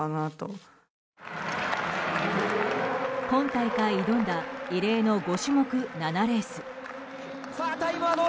今大会挑んだ異例の５種目７レース。